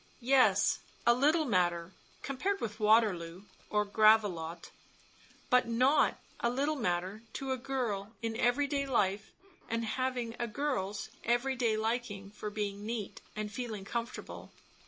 Yes, a little matter, compared with Waterloo or Gravelotte; but not a little matter to a girl in every day life and having a girl's every day liking for being neat and feeling comfortable.